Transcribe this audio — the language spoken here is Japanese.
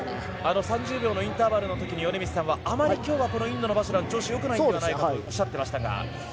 ３０秒のインターバルで米満さんは、あまり今日はインドのバジュランは調子がよくないんじゃないかとおっしゃっていましたが。